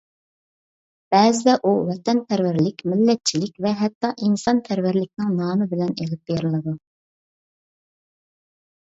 بەزىدە ئۇ ۋەتەنپەرۋەرلىك، مىللەتچىلىك ۋە ھەتتا ئىنسانپەرۋەرلىكنىڭ نامى بىلەن ئېلىپ بېرىلىدۇ.